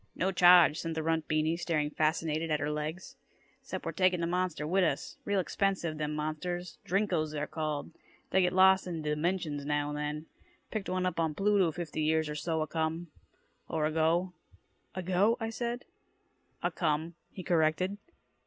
"No charge," said the runt Beany, staring fascinated at her legs. "'Cept we're taking da monster wit' us. Real expensive, them monsters. Drinkos, they're called. Dey get lost in da dimensions now and then. Picked one up on Pluto fifty years or so acome or ago." "Ago?" I said. "Acome," he corrected.